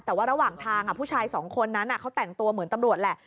แต่ว่าระหว่างทางผู้ชายสองคนนั้นเขาแต่งตัวเหมือนตำรวจแหละ